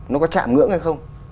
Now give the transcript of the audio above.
nó có chạm ngưỡng hay không